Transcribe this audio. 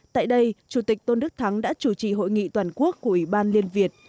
tại đây chủ tịch tôn đức thắng đã chủ trì hội nghị toàn quốc của ủy ban liên việt